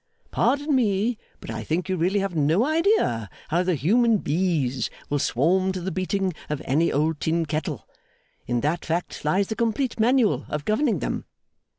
Pardon me, but I think you really have no idea how the human bees will swarm to the beating of any old tin kettle; in that fact lies the complete manual of governing them.